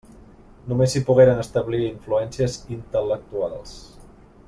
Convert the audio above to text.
Només s'hi pogueren establir influències intel·lectuals.